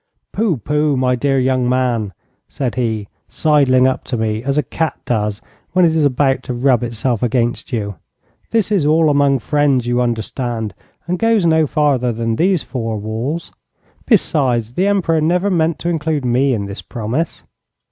'Pooh, pooh, my dear young man,' said he, sidling up to me, as a cat does when it is about to rub itself against you. 'This is all among friends, you understand, and goes no farther than these four walls. Besides, the Emperor never meant to include me in this promise.'